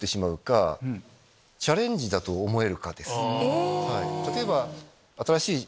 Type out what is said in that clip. え！